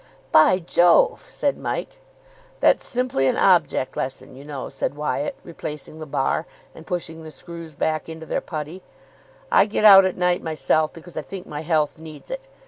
"By Jove!" said Mike. "That's simply an object lesson, you know," said Wyatt, replacing the bar, and pushing the screws back into their putty. "I get out at night myself because I think my health needs it.